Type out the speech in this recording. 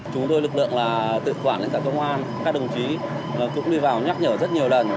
chúng tôi lực lượng là tự quản lãnh đạo công an các đồng chí cũng đi vào nhắc nhở rất nhiều lần